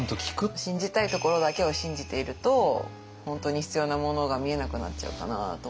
信じたいところだけを信じていると本当に必要なものが見えなくなっちゃうかなとは。